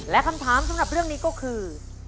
และคำถามสำหรับเรื่องนี้ก็คือ